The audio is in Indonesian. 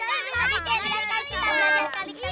belajar belajar belajar belajar